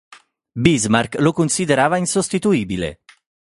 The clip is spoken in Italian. Bismarck lo considerava insostituibile.